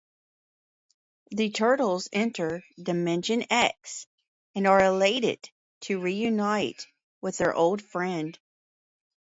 The Turtles enter Dimension X and are elated to reunite with their old friend.